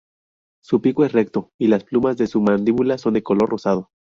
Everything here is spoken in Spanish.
Su pico es recto y las plumas de su mandíbula son de color rosado.